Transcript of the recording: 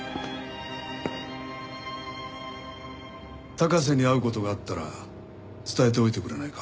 高瀬に会う事があったら伝えておいてくれないか？